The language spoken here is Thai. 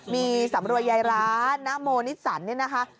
มีสำรวยยายร้านนโมนิสสันเนี่ยนะคะ